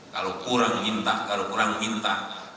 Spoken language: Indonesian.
kalau kurang minta kalau kurang minta